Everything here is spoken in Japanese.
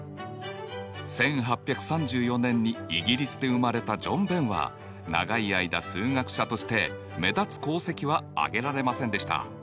１８３４年にイギリスで生まれたジョン・ベンは長い間数学者として目立つ功績はあげられませんでした。